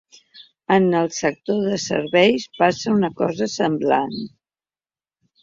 En el sector serveis passa una cosa semblant.